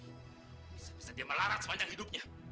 bisa bisa dia melarat sepanjang hidupnya